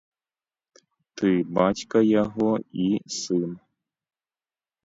Ты бацька яго і сын.